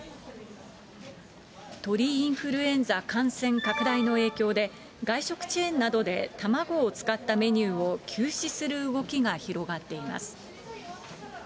鳥インフルエンザ感染拡大の影響で、外食チェーンなどで、卵を使ったメニューを休止する動きが広がっています。